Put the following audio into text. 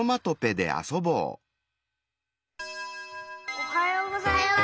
おはようございます！